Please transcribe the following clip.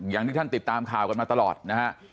อย่างที่ท่านติดตามข่าวกันมาตลอดนะฮะ